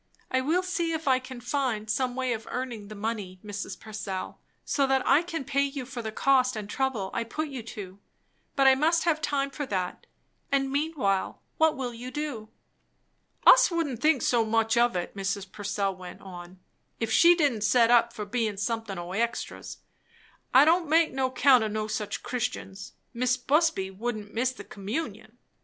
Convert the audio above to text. "I will see if I can find some way of earning the money, Mrs. Purcell, so that I can pay you for the cost and trouble I put you to. But I must have time for that; and meanwhile, what will you do?" "Us wouldn't think so much of it," Mrs. Purcell went on, "if she didn't set up for bein' somethin' o' extras. I don't make no count o' no such Christians. Mis' Busby wouldn't miss the Communion!